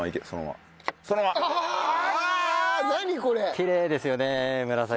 きれいですよね紫色で。